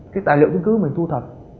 cái tài liệu chứng cứ mình thu thật